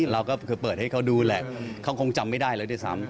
เราก็คือเปิดให้เขาดูแหละเขาคงจำไม่ได้เลยด้วยซ้ำ